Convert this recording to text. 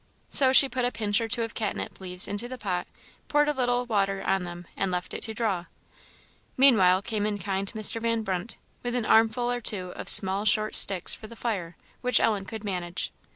So she put a pinch or two of catnip leaves into the pot, poured a little water on them, and left it to draw. Meanwhile came in kind Mr. Van Brunt with an armful or two of small short sticks for the fire, which Ellen could manage.